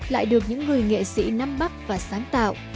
lại được những người nghệ sĩ nắm bắt và sáng tạo